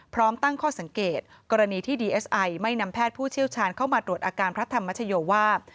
พร้อมตั้งข้อสังเกตกรณีที่ดีเอสไอไม่นำแพทย์ผู้เชี่ยวชาญเข้ามาตรวจอาการพระธรรมชโยว่า